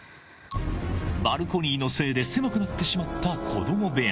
バルコニーのせいで狭くなってしまった子ども部屋